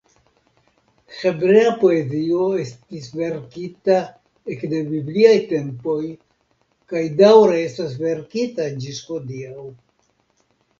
Hebrea poezio estis verkita ekde bibliaj tempoj kaj daŭre estas verkita ĝis hodiaŭ.